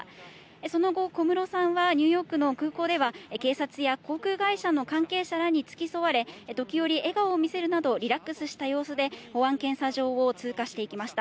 その後、小室さんはニューヨークの空港では、警察や航空会社の関係者らに付き添われ、時折、笑顔を見せるなど、リラックスした様子で、保安検査場を通過していきました。